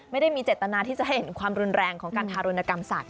ไม่ได้มีเจตนาที่จะให้เห็นความรุนแรงของการทารุณกรรมสัตว